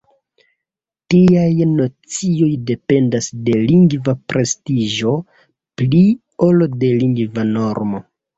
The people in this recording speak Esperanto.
Tiaj nocioj dependas de lingva prestiĝo pli ol de lingva normo.